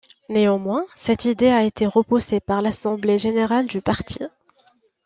Néanmoins, cette idée a été repoussé par l'Assemblée générale du parti.